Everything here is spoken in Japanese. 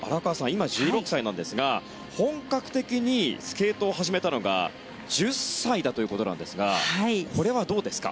今、１６歳なんですが本格的にスケートを始めたのが１０歳ということなんですがこれはどうですか？